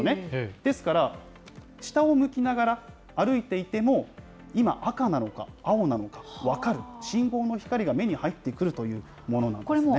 ですから下を向きながら歩いていても、今、赤なのか、青なのか分かる、信号の光が目に入ってくるというものなんですね。